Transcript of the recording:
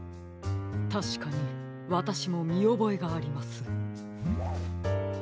たしかにわたしもみおぼえがあります。